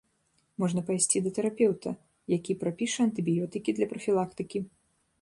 Можна пайсці да тэрапеўта, які прапіша антыбіётыкі для прафілактыкі.